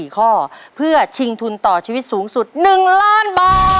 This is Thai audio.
๔ข้อเพื่อชิงทุนต่อชีวิตสูงสุด๑ล้านบาท